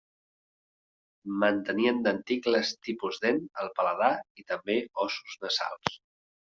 Mantenien denticles tipus dent al paladar i també ossos nasals.